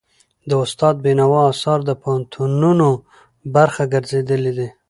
د استاد بينوا آثار د پوهنتونونو برخه ګرځېدلي دي.